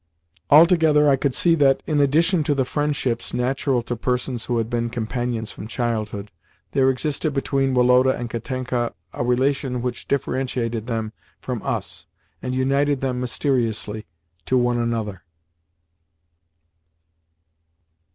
Altogether I could see that, in addition to the friendship natural to persons who had been companions from childhood, there existed between Woloda and Katenka a relation which differentiated them from us, and united them mysteriously to one another.